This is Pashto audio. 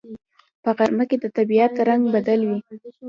په غرمه کې د طبیعت رنگ بدل وي